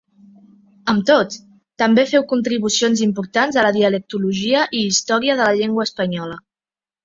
Amb tot, també féu contribucions importants a la dialectologia i història de la llengua espanyola.